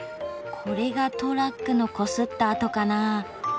これがトラックのこすった痕かな。